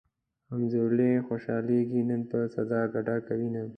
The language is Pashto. همزولي خوشحالېږي نن پۀ ضد ګډا کوينه